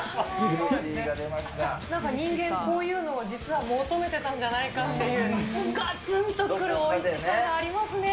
なんか人間、こういうのを実は求めてたんじゃないかっていう、がつんとくるおいしさがありますね。